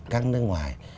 các nước ngoài